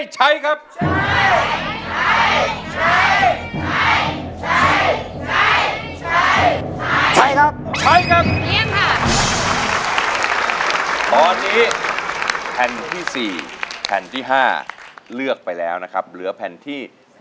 ใช้